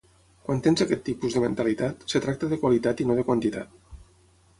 Quan tens aquest tipus de mentalitat, es tracta de qualitat i no de quantitat.